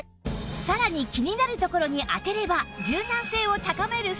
さらに気になるところに当てれば